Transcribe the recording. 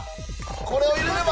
これを入れれば。